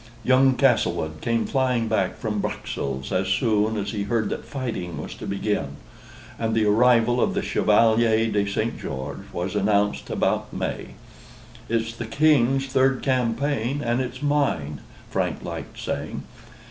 Young Castlewood came flying back from Bruxelles, as soon as he heard that fighting was to begin; and the arrival of the Chevalier de St. George was announced about May. "It's the King's third campaign, and it's mine," Frank liked saying.